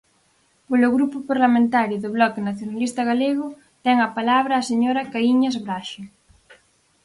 Polo Grupo Parlamentario do Bloque Nacionalista Galego, ten a palabra a señora Caíñas Braxe.